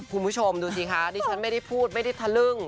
คุณผู้ชมดูสิคะดิฉันไม่ได้พูดไม่ได้ทะลึ่ง